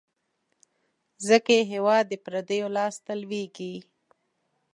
ځکه یې هیواد د پردیو لاس ته لوېږي.